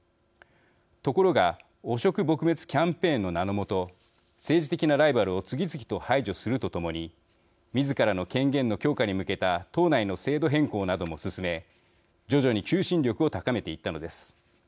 ところが汚職撲滅キャンペーンの名のもと政治的なライバルを次々と排除するとともにみずからの権限の強化に向けた党内の制度変更なども進め徐々に求心力を高めていったのです。